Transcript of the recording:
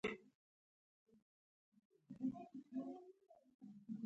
هغه هر څه د نيشې اثر و.